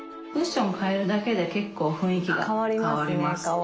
クッション替えるだけで結構雰囲気が変わります。